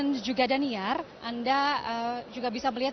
anda juga bisa melihat di belakang saya bagaimana anda melihat